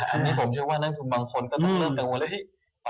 อันนี้ผมเชื่อว่านั่งทุนบางคนก็ต้องเริ่มกับว่า